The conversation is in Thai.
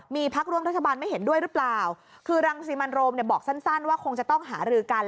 มีพักร่วมรัฐบาลไม่เห็นด้วยหรือเปล่าคือรังสิมันโรมเนี่ยบอกสั้นว่าคงจะต้องหารือกัน